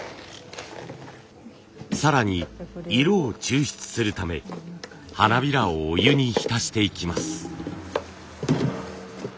更に色を抽出するため花びらをお湯に浸していきます。